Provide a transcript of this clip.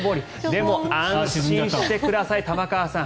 でも安心してください玉川さん。